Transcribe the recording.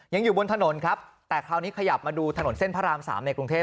อยู่บนถนนครับแต่คราวนี้ขยับมาดูถนนเส้นพระราม๓ในกรุงเทพ